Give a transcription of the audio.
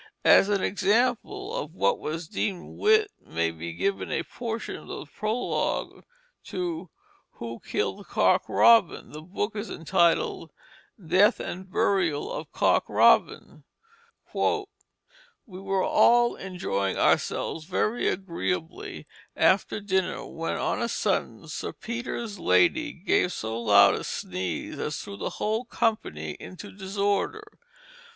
As an example of what was deemed wit may be given a portion of the prologue to "Who Killed Cock Robin." The book is entitled Death and Burial of Cock Robin. "We were all enjoying ourselves very agreeably after dinner, when on a sudden, Sir Peter's Lady gave so loud a sneeze as threw the whole company into disorder.